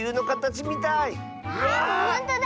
わあほんとだ。